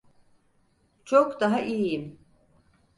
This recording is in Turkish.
Çok daha iyiyim.